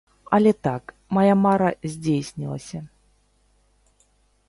Але так, мая мара здзейснілася.